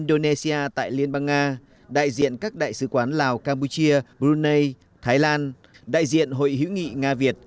indonesia tại liên bang nga đại diện các đại sứ quán lào campuchia brunei thái lan đại diện hội hữu nghị nga việt